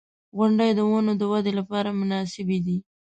• غونډۍ د ونو د ودې لپاره مناسبې دي.